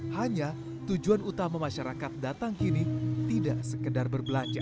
hanya tujuan utama masyarakat datang kini tidak sekedar berbelanja